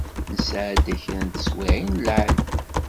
Nesɛedda kra n teswiɛin n lɛali.